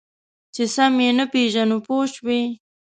چې سم یې نه پېژنو پوه شوې!.